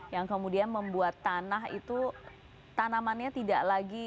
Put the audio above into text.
yang kemudian membuat tanah itu tanamannya tidak lagi